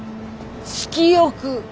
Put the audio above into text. ・色欲！